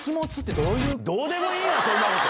どうでもいいわ、そんなこと。